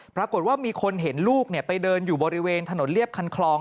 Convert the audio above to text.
ปรากฏว่ามีคนเห็นลูกไปเดินอยู่บริเวณถนนเรียบคันคลอง